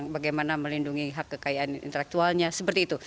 bagaimana melindungi hak kekayaan intelektualnya seperti itu